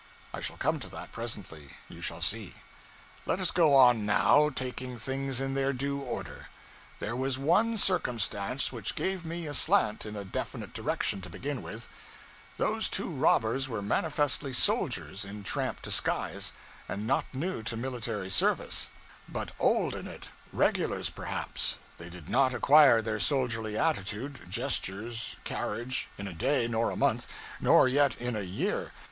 I shall come to that, presently you shall see. Let us go on, now, taking things in their due order. There was one circumstance which gave me a slant in a definite direction to begin with: Those two robbers were manifestly soldiers in tramp disguise; and not new to military service, but old in it regulars, perhaps; they did not acquire their soldierly attitude, gestures, carriage, in a day, nor a month, nor yet in a year.